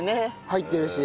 入ってるし。